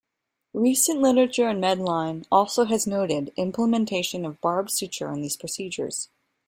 Recent literature in medline also has noted implementation of barbed suture in these procedures.